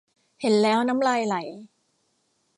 เห็นแล้วน้ำลายไหล